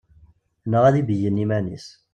Neɣ ad beyyen iman-is.